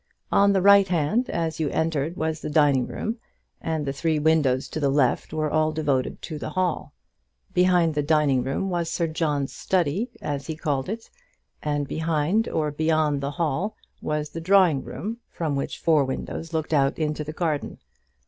On the right hand as you entered was the dining room, and the three windows to the left were all devoted to the hall. Behind the dining room was Sir John's study, as he called it, and behind or beyond the hall was the drawing room, from which four windows looked out into the garden.